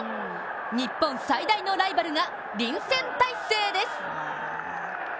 日本最大のライバルが臨戦態勢です。